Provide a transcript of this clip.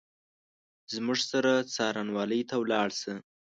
زموږ سره څارنوالۍ ته ولاړ شه !